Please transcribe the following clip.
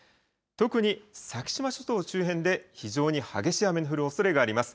特に先島諸島周辺で、非常に激しい雨の降るおそれがあります。